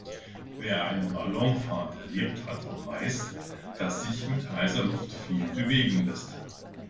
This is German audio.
Wer eine Ballonfahrt erlebt hat, weiß, dass sich mit heißer Luft viel bewegen lässt.